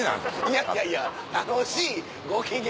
いやいやいや楽しいご機嫌。